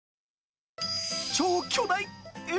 超巨大Ｌ